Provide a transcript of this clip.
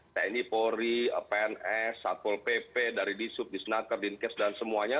tni polri pns satpol pp dari disub disnaker dinkes dan semuanya